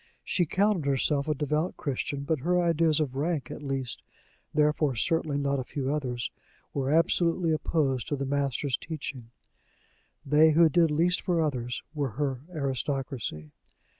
She counted herself a devout Christian, but her ideas of rank, at least therefore certainly not a few others were absolutely opposed to the Master's teaching: they who did least for others were her aristocracy.